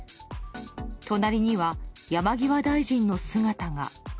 隣には山際大臣の姿が。